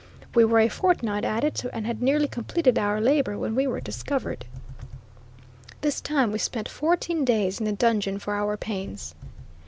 We were a fortnight at it, and had nearly completed our labor when we were discovered. This time we spent fourteen days in the dungeon for our pains.